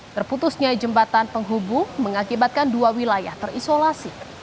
terputusnya jembatan penghubung mengakibatkan dua wilayah terisolasi